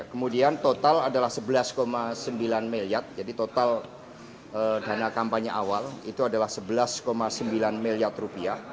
kemudian total adalah rp sebelas sembilan miliar jadi total dana kampanye awal itu adalah rp sebelas sembilan miliar rupiah